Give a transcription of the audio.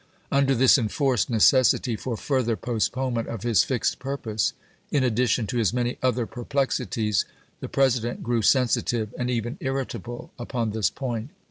Under this enforced necessity for further postponement of his fixed purpose, in addition to his many other perplexities, the President grew sensitive and even irritable upon this point.